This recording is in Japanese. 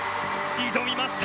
挑みました！